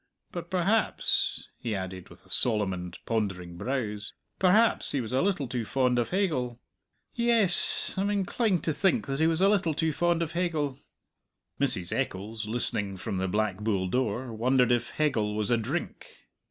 But perhaps," he added, with solemn and pondering brows "perhaps he was a little too fond of Hegel. Yess, I am inclined to think that he was a little too fond of Hegel." Mrs. Eccles, listening from the Black Bull door, wondered if Hegel was a drink.